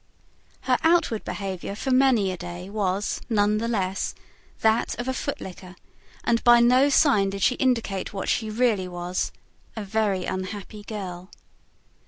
Her outward behaviour for many a day was, none the less, that of a footlicker; and by no sign did she indicate what she really was a very unhappy girl.